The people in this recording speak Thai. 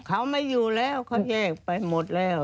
เขาไม่อยู่แล้วเขาแยกไปหมดแล้ว